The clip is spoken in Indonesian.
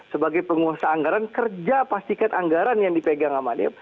sebagai penguasa anggaran kerja pastikan anggaran yang dipegang sama dia